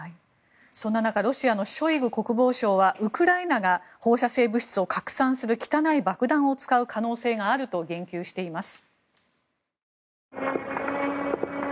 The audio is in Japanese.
そんな中ロシアのショイグ国防相はウクライナが放射性物質を拡散する汚い爆弾を使う可能性があると言及しています。